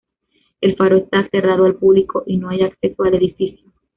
El faro está cerrado al público y no hay acceso al edificio.